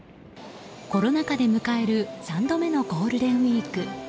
コロナ禍で迎える３度目のゴールデンウィーク。